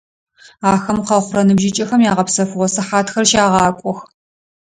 Ахэм къэхъурэ ныбжьыкӀэхэм ягъэпсэфыгъо сыхьатхэр щагъакӀох.